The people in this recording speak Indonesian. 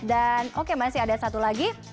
dan oke masih ada satu lagi